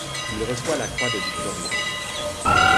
Il reçoit la croix de Victoria.